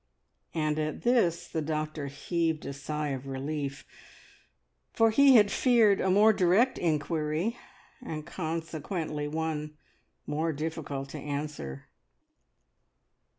And at this the doctor heaved a sigh of relief, for he had feared a more direct inquiry, and consequently one more difficult to answer.